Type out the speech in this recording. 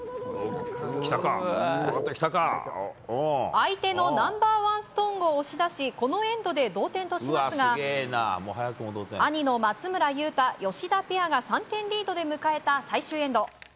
相手のナンバーワンストーンを押し出しこのエンドで同点としますが兄の松村雄太、吉田ペアが３点リードで迎えた最終エンド。